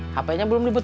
hpnya belum dibetulin